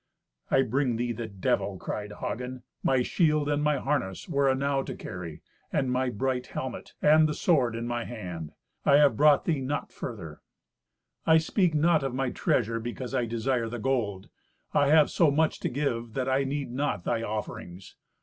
"I bring thee the Devil!" cried Hagen. "My shield and my harness were enow to carry, and my bright helmet, and the sword in my hand. I have brought thee naught further." "I speak not of my treasure, because I desire the gold. I have so much to give that I need not thy offerings.